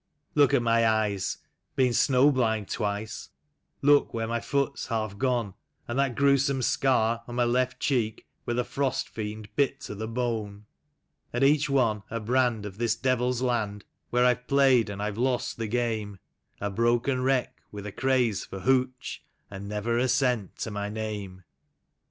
*' Look at my eyes — been snow blind twice ; look where my foot's half gone ; And that gruesome scar on my left cheek where the frost fiend bit to the bone. 12 THE PARSON'S SON. Each one a brand of this devil's land, where I've played and I've lost the game, A broken 'WTeck with a craze for ' hooch/ and never a cent to my name.